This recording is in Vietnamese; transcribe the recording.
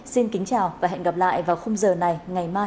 xin kính chào và hẹn gặp lại vào khung giờ này ngày mai